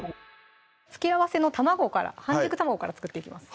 付け合わせの卵から半熟卵から作っていきます